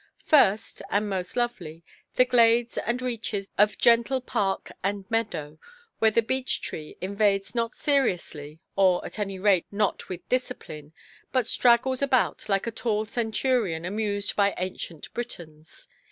First, and most lovely, the glades and reaches of gentle park and meadow, where the beech–tree invades not seriously, or, at any rate, not with discipline, but straggles about like a tall centurion amused by ancient Britons.